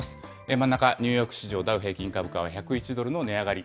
真ん中、ニューヨーク市場ダウ平均株価は１０１ドルの値上がり。